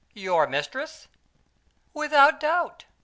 "Your mistress?" "Without doubt.